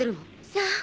さあ。